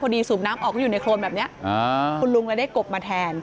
พอดีสูบน้ำออกก็อยู่ในโครงแบบเนี้ยอ่าคุณลุงแล้วได้กบมาแทน